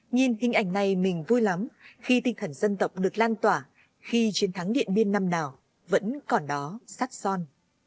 nhìn hình ảnh này mình vui lắm khi tinh thần dân tộc được lan tỏa khi chiến thắng điện biên năm nào vẫn còn đó sát son